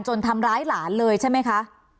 ทำร้ายหลานเลยใช่ไหมคะ